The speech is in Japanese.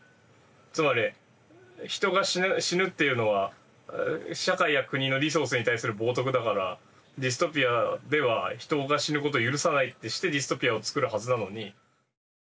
つまり人が死ぬっていうのは社会や国のリソースに対する冒とくだからディストピアでは人が死ぬことを許さないってしてディストピアを作るはずなのに。